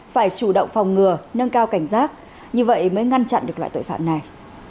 phải chủ động phòng ngừa nâng cao cảnh giác như vậy mới ngăn chặn được loại tội phạm này